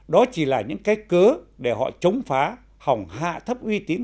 đó chỉ là những cái cớ để họ chống phá hỏng hạ thấp uy tín